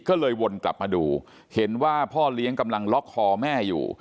ก็เลยวนกลับมาดูเห็นว่าพ่อเลี้ยงกำลังล็อกคอแม่อยู่